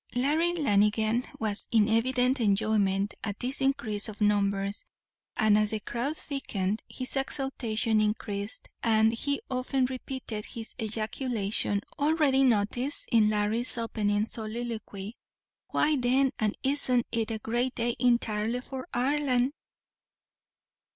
Larry Lanigan was in evident enjoyment at this increase of numbers; and as the crowd thickened his exultation increased, and he often repeated his ejaculation, aiready noticed in Larry's opening soliloquy, "Why, then, an' isn't it a grate day intirely for Ireland!!!"